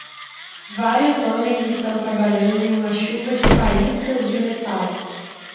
Vários homens estão trabalhando em uma chuva de faíscas de metal.